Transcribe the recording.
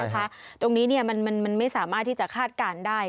ตรงนี้มันไม่สามารถที่จะคาดการณ์ได้